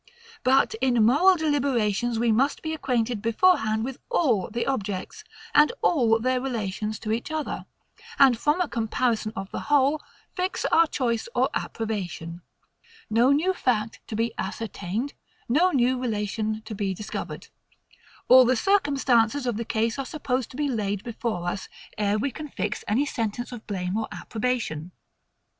But in moral deliberations we must be acquainted beforehand with all the objects, and all their relations to each other; and from a comparison of the whole, fix our choice or approbation. No new fact to be ascertained; no new relation to be discovered. All the circumstances of the case are supposed to be laid before us, ere we can fix any sentence of blame or approbation.